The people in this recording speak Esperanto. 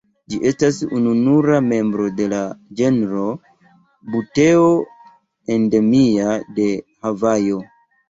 Ĝi estas ununura membro de la genro "Buteo" endemia de Havajo.